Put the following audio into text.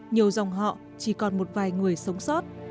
nhiều dòng họ chỉ còn một vài người sống sót